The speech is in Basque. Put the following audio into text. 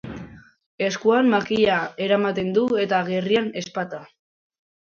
Eskuan makila eramaten du eta gerrian ezpata.